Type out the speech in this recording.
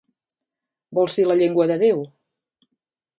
¿Vols dir la llengua de Déu?